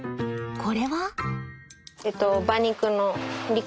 これは？